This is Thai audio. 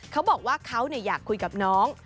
เขาบอกว่าเขาอยากคุยกับน้อง